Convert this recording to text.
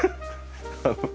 ハハハッ。